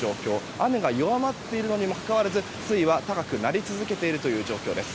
雨が弱まっているのにもかかわらず水位は高くなり続けているという状況です。